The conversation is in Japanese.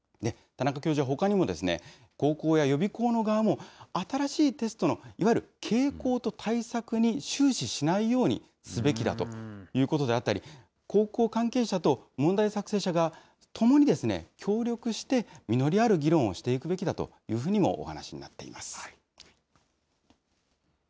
田中教授はほかにも、高校や予備校の側も、新しいテストのいわゆる傾向と対策に終始しないようにすべきだということであったり、高校関係者と問題作成者が共に協力して、実りある議論をしていくべきだというふうにもお話しになっています。